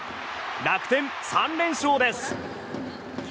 楽天、３連勝です。